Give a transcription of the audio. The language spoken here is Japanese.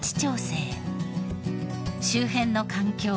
周辺の環境